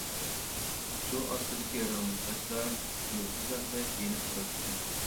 سۇ ئاستىدىكى رەڭلىك تاشلار يۇلتۇزلاردەك يېنىپ تۇراتتى.